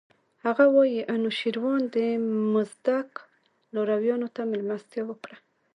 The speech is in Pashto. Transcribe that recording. هغه وايي انوشیروان د مزدک لارویانو ته مېلمستیا وکړه.